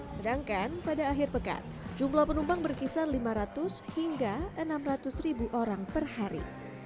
sedangkan pada akhir pekan jumlah penumpang berkisar lima ratus hingga enam ratus ribu orang per hari